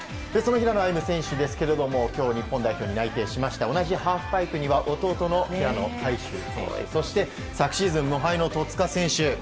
その平野歩夢選手ですけども今日、日本代表に内定しました同じハーフパイプには弟の平野海祝選手そして、昨シーズン無敗の戸塚選手